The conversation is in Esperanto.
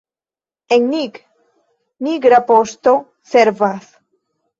En Nick migra poŝto servas.